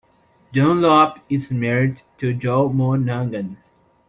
Dunlop is married to Jo Monaghan.